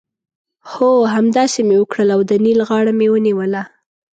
هو! همداسې مې وکړل او د نېل غاړه مې ونیوله.